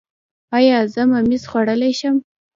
ایا زه ممیز خوړلی شم؟